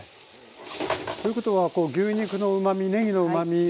ということはこう牛肉のうまみねぎのうまみを。